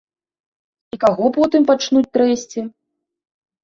І каго потым пачнуць трэсці?